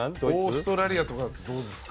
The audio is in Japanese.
オーストラリアとかどうですか？